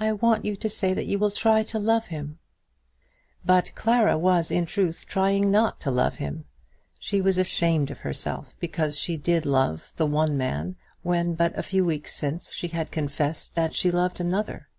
"I want you to say that you will try to love him." But Clara was in truth trying not to love him. She was ashamed of herself because she did love the one man, when, but a few weeks since, she had confessed that she loved another.